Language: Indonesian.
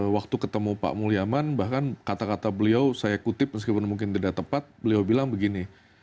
waktu ketemu pak mulyaman bahkan kata kata beliau saya kutip meskipun mungkin tidak tepat beliau bilang begini